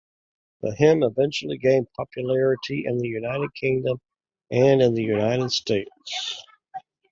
The hymn eventually gained popularity in the United Kingdom and in the United States.